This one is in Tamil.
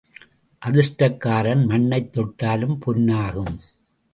அதிர்ஷ்டக்காரன் மண்ணைத் தொட்டாலும் பொன்னாகும்.